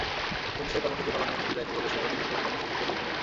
Police সেই কর্মসূচি পালনে অনুমতি দেয়নি বলে সভাটি বিক্ষোভ কর্মসূচিতে রূপ নেয়।